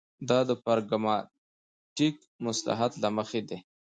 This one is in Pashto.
دا د پراګماټیک مصلحت له مخې ده.